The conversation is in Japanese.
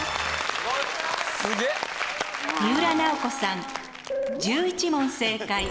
三浦奈保子さん１１問正解。